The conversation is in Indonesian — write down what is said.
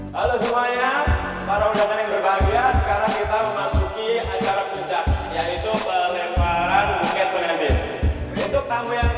jadi of tek